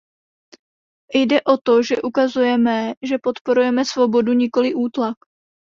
Jde o to, že ukazujeme, že podporujeme svobodu, nikoliv útlak.